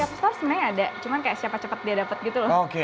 di kapasitas sebenarnya nggak ada cuma kayak siapa cepat dia dapet gitu loh